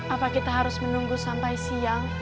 apa kita harus menunggu sampai siang